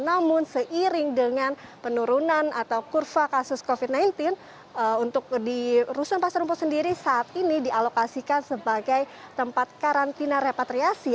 namun seiring dengan penurunan atau kurva kasus covid sembilan belas untuk di rusun pasar rumput sendiri saat ini dialokasikan sebagai tempat karantina repatriasi